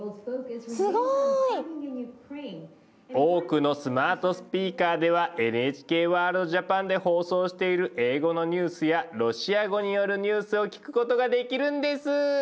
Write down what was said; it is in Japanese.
すごい！多くのスマートスピーカーでは「ＮＨＫワールドＪＡＰＡＮ」で放送している英語のニュースやロシア語によるニュースを聞くことができるんです！